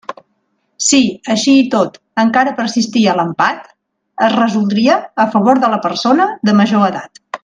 Si, així i tot, encara persistia l'empat, es resoldria a favor de la persona de major edat.